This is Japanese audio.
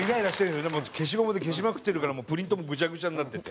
消しゴムで消しまくってるからプリントもグチャグチャになってて。